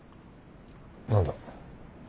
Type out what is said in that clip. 何だ。